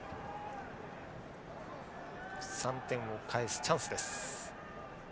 ３点を返すチャンスです。